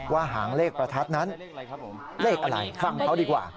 หางเลขประทัดนั้นเลขอะไรฟังเขาดีกว่า